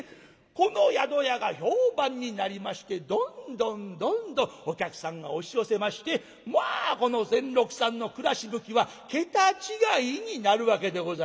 この宿屋が評判になりましてどんどんどんどんお客さんが押し寄せましてまあこの善六さんの暮らし向きは桁違いになるわけでございます。